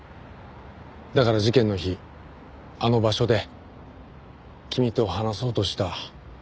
だから事件の日あの場所で君と話そうとした。